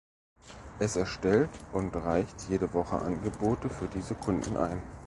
Es erstellt und reicht jede Woche Angebote für diese Kunden ein.